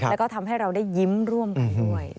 แล้วก็ทำให้เราได้ยิ้มร่วมกันด้วย